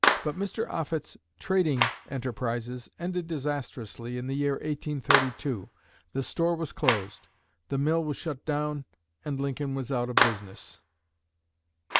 But Mr. Offutt's trading enterprises ended disastrously in the year 1832. The store was closed, the mill was shut down, and Lincoln was out of business.